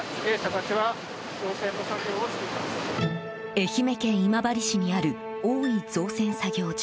愛媛県今治市にある大井造船作業場。